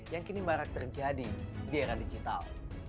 yang kini marak terjadi di era digital